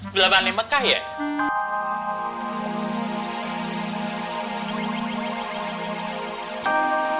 belakangnya mekah ya